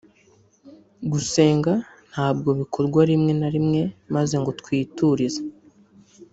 Gusenga ntabwo bikorwa rimwe na rimwe maze ngo twiturize